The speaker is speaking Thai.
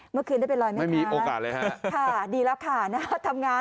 เมื่อคืนได้ไปลอยไหมคะค่ะดีแล้วค่ะทำงาน